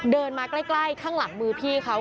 เดินมาใกล้ข้างหลังมือพี่เขา